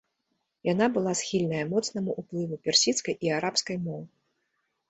Яна была схільная моцнаму ўплыву персідскай і арабскай моў.